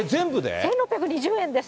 １６２０円です。